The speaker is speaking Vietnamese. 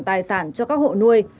tài sản cho các hộ nuôi